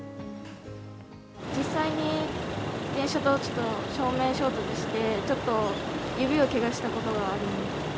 実際に自転車と正面衝突して、ちょっと指をけがしたことがあります。